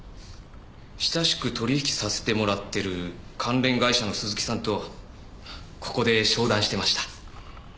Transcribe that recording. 親しく取引させてもらってる関連会社の鈴木さんとここで商談してました。